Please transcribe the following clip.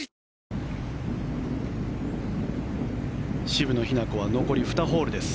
渋野日向子は残り２ホールです。